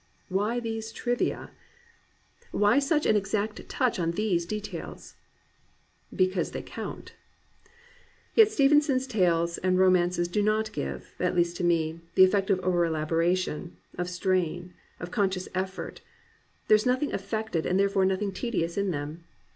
Why these trivia ? Why such an exact touch on these details ? Because they count. Yet Stevenson's tales and romances do not give — at least to me — the effect of over elaboration, of strain, of conscious effort; there is nothing affected and therefore nothing tedious in them.